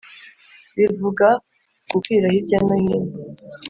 bivuga gukwira hirya no hino.